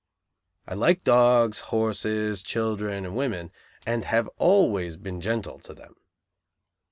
I liked dogs, horses, children and women, and have always been gentle to them.